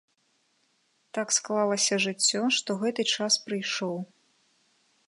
Так склалася жыццё, што гэты час прыйшоў.